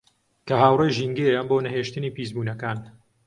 کە هاوڕێی ژینگەیە بۆ نەهێشتنی پیسبوونەکان